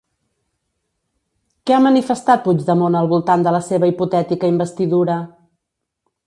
Què ha manifestat Puigdemont al voltant de la seva hipotètica investidura?